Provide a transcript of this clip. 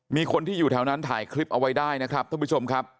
มีคนที่อยู่แถวนั้นถ่ายคลิปเอาไว้ได้นะครับท่านผู้ชมครับ